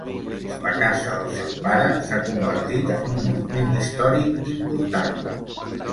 La casa del seu pare s'ha convertit en un monument històric important.